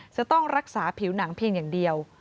จะต้องรักษาผิวหนังเพียงอย่างเดียว